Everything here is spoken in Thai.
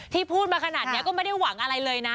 พูดมาขนาดนี้ก็ไม่ได้หวังอะไรเลยนะ